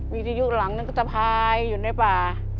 มีที่ยุคหลังนั้นก็จะพายอยู่ในป่า